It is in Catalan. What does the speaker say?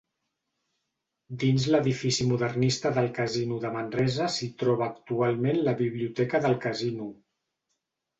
Dins l'edifici modernista del Casino de Manresa s'hi troba actualment la Biblioteca del Casino.